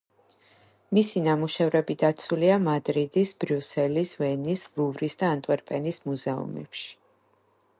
მისი ნამუშევრები დაცულია მადრიდის, ბრიუსელის, ვენის, ლუვრის და ანტვერპენის მუზეუმებში.